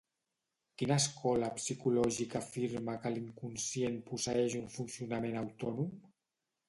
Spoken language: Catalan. Quina escola psicològica afirma que l'inconscient posseeix un funcionament autònom?